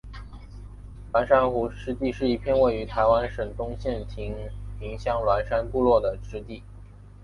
鸾山湖湿地是一片位于台湾台东县延平乡鸾山部落的湿地。